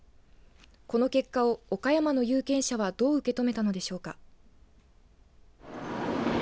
この結果を、岡山の有権者はどう受け止めたのでしょうか。